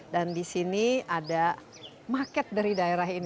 dan di sini ada market dari daerah ini